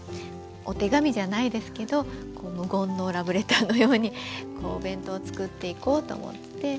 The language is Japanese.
お手紙じゃないですけど無言のラブレターのようにお弁当を作っていこうと思ってて。